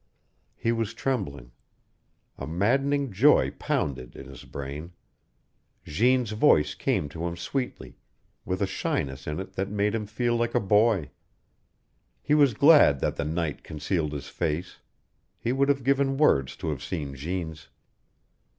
He was trembling. A maddening joy pounded in his brain. Jeanne's voice came to him sweetly, with a shyness in it that made him feel like a boy. He was glad that the night concealed his face. He would have given worlds to have seen Jeanne's.